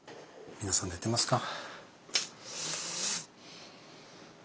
皆さん寝てますか？